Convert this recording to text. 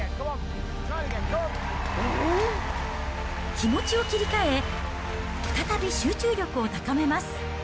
気持ちを切り替え、再び集中力を高めます。